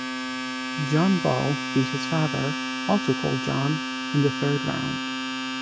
John Ball beat his father, also called John, in the third round.